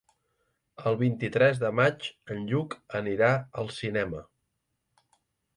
El vint-i-tres de maig en Lluc anirà al cinema.